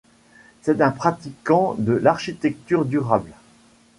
C'est un pratiquant de l'architecture durable.